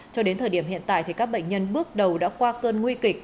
cho đến thời điểm hiện tại các bệnh nhân bước đầu đã qua cơn nguy kịch